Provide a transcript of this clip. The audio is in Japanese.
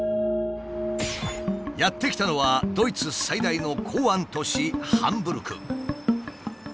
やって来たのはドイツ最大の港湾都市ハンブルク。